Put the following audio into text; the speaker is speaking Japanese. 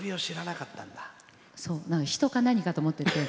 人か何かだと思ってて。